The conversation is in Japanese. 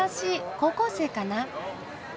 高校生かな？